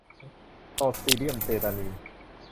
คลอสตริเดียมเตตานิ